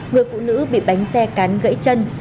người phụ nữ bị bánh xe cán gãy chân